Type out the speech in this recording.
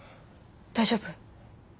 大丈夫？